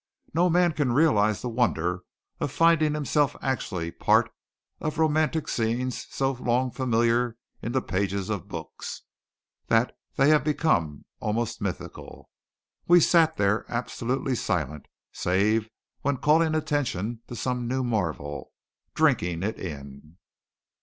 No man can realize the wonder of finding himself actually part of romantic scenes so long familiar in the pages of books that they have become almost mythical. We sat there absolutely silent, save when calling attention to some new marvel, drinking it in.